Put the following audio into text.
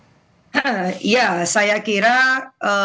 bagaimana dari partai kebagian tanpa bangsa dan juga beberapa para pemilu